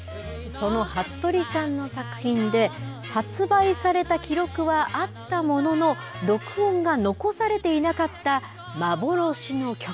その服部さんの作品で発売された記録はあったものの録音が残されていなかった幻の曲。